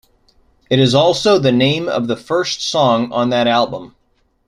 It is also the name of the first song on that album.